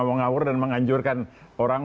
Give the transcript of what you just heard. ngomong ngawur dan menganjurkan orang